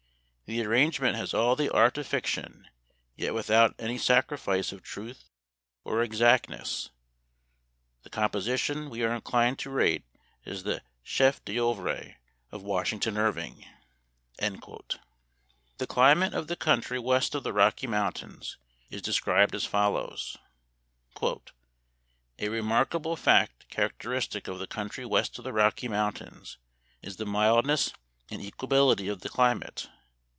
The arrangement has all the art of fiction, yet with out any sacrifice of truth or exactness. The composition we are inclined to rate as the chef d'ceuvre of Washington Irving." The climate of the country west of the Rocky Mountains is described as follows :" A remarkable fact characteristic of the country west of the Rocky Mountains is the mildness and equability of the climate.